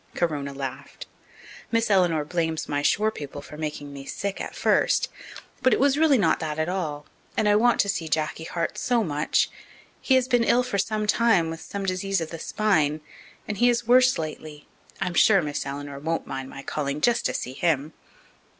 Corona laughed. "Miss Eleanor blames my poor shore people for making me sick at first, but it was really not that at all. And I want to see Jacky Hart so much. He has been ill for some time with some disease of the spine and he is worse lately. I'm sure Miss Eleanor won't mind my calling just to see him."